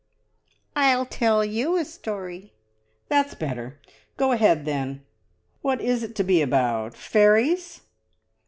"I'll tell you a story!" "That's better. Go ahead, then. What is it to be about? Fairies?"